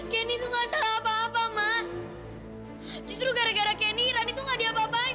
kini tuh nggak salah apa apa mah justru gara gara kenny rani tuh nggak diapa apain